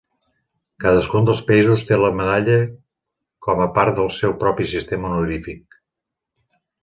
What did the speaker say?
Cadascun dels països té la medalla com a part del seu propi sistema honorífic.